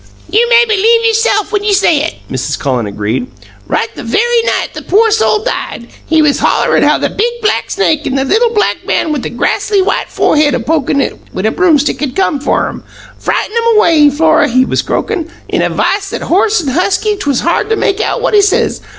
"You may believe yerself whin ye say it!" Mrs. Cullen agreed. "Right the very night the poor soul died, he was hollerin' how the big black snake and the little black man wit' the gassly white forehead a pokin' it wit' a broomstick had come fer um. 'Fright 'em away, Flora!' he was croakin', in a v'ice that hoarse an' husky 'twas hard to make out what he says.